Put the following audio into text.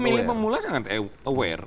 pemilih pemula sangat aware